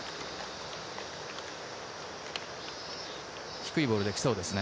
低いボールで来そうですね。